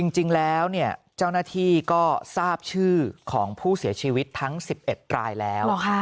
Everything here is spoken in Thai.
จริงแล้วเจ้าหน้าที่ก็ทราบชื่อของผู้เสียชีวิตทั้ง๑๑รายแล้ว